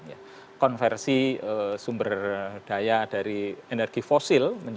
dan konversi sumber daya dari energi fosil